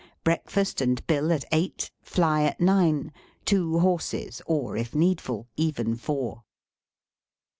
Breakfast and bill at eight. Fly at nine. Two horses, or, if needful, even four.